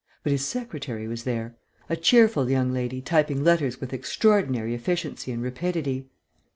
But his secretary was there; a cheerful young lady typing letters with extraordinary efficiency and rapidity.